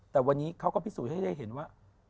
แต่วันนี้เขาก็พิสูจน์ให้ได้เห็นว่า